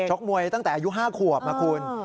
ชกมวยตั้งแต่อายุ๕ขวบนะคุณ